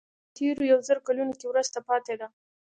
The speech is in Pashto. په تېرو یو زر کلونو کې وروسته پاتې ده.